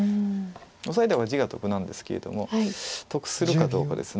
オサえた方が地が得なんですけれども得するかどうかです。